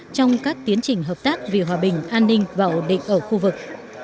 trong các tiến trình hợp tác vì hòa bình an ninh và ổn định ở khu vực